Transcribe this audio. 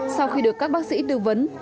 sau khi được các bác sĩ tư vấn